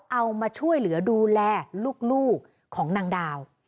เอามาช่วยเหลือดูแลลูกของนางดาว